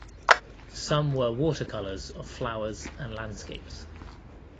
Some were watercolors of flowers and landscapes.